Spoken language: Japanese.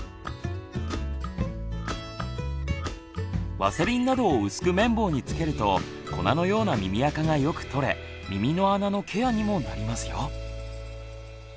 ワセリンなどを薄く綿棒につけると粉のような耳あかがよく取れ耳の穴のケアにもなりますよ。